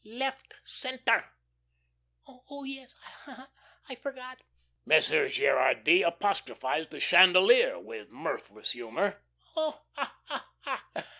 "Left centre." "Oh oh, yes. I forgot." Monsieur Gerardy apostrophized the chandelier with mirthless humour. "Oh, ha, ha!